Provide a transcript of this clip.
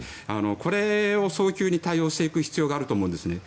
これを早急に対応していく必要があると思うんですね。